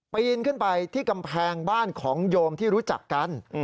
ปีนขึ้นไปที่กำแพงบ้านของโยมที่รู้จักกัน